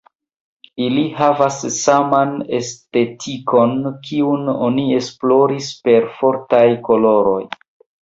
Ili havas saman estetikon, kiun oni esploris per fortaj koloroj.